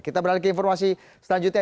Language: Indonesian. kita beralih ke informasi selanjutnya